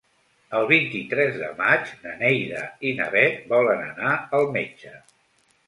El vint-i-tres de maig na Neida i na Bet volen anar al metge.